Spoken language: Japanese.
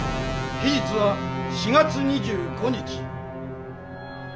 期日は４月２５日」。